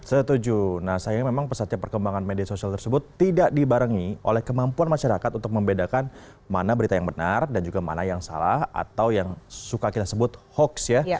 setuju nah sayangnya memang pesatnya perkembangan media sosial tersebut tidak dibarengi oleh kemampuan masyarakat untuk membedakan mana berita yang benar dan juga mana yang salah atau yang suka kita sebut hoax ya